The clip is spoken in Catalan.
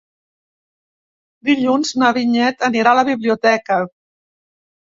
Dilluns na Vinyet anirà a la biblioteca.